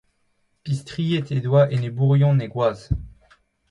Pistriet he doa enebourion he gwaz.